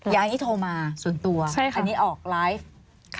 ยายนี่โทรมาส่วนตัวอันนี้ออกไลฟ์